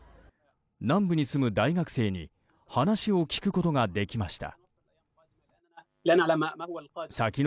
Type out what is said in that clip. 南部に住む大学生に話を聞くことができました。